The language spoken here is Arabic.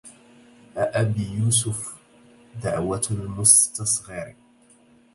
أأبي يوسف دعوة المستصغر